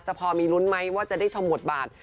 พอมีลุ้นไหมว่าจะได้ชมบทบาท